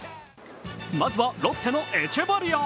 まずは、ロッテのエチェバリア。